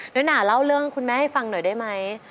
หนาเล่าเรื่องคุณแม่ให้ฟังหน่อยได้ไหม